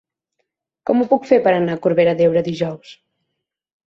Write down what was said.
Com ho puc fer per anar a Corbera d'Ebre dijous?